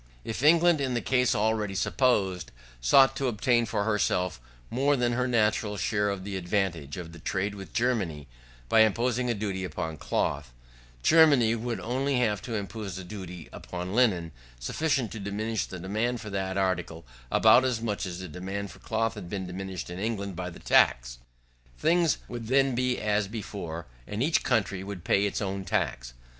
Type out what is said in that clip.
If England, in the case already supposed, sought to obtain for herself more than her natural share of the advantage of the trade with Germany, by imposing a duty upon cloth, Germany would only have to impose a duty upon linen, sufficient to diminish the demand for that article about as much as the demand for cloth had been diminished in England by the tax. Things would then be as before, and each country would pay its own tax.